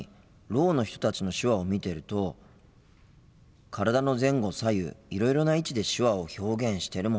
ろうの人たちの手話を見てると体の前後左右いろいろな位置で手話を表現してるもんなあ。